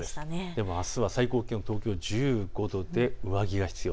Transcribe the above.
でもあすは最高気温、東京１５度で上着が必要。